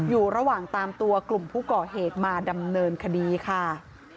อยู่ระหว่างตามตัวกลุ่มผู้ก่อเหตุมาดำเนินคดีค่ะ